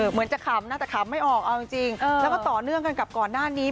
เหมือนจะขำนะแต่ขำไม่ออกเอาจริงแล้วก็ต่อเนื่องกันกับก่อนหน้านี้